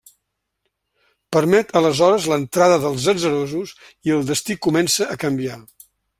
Permet aleshores l'entrada dels atzarosos i el destí comença a canviar.